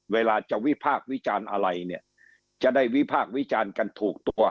เวลาจะวิพากษ์วิจารณ์อะไรเนี่ยจะได้วิพากษ์วิจารณ์กันถูกตัว